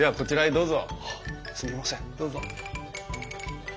どうぞ。